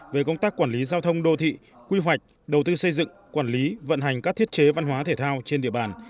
về công tác quản lý giao thông đô thị quy hoạch đầu tư xây dựng quản lý vận hành các thiết chế văn hóa thể thao trên địa bàn